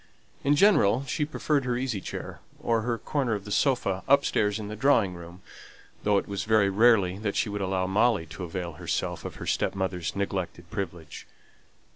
In general, she preferred her easy chair, or her corner of the sofa, upstairs in the drawing room, though it was very rarely that she would allow Molly to avail herself of her stepmother's neglected privilege.